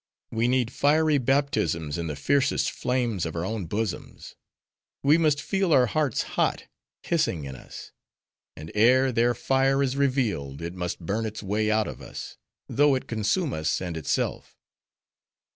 We need fiery baptisms in the fiercest flames of our own bosoms. We must feel our hearts hot—hissing in us. And ere their fire is revealed, it must burn its way out of us; though it consume us and itself.